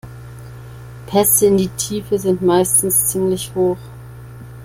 Pässe in die Tiefe sind meistens ziemlich hoch.